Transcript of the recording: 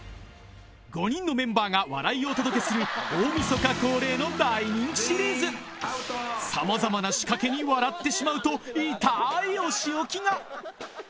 ５人のメンバーが笑いをお届けする大みそか恒例の大人気シリーズさまざまな仕掛けに笑ってしまうと痛いお仕置きが！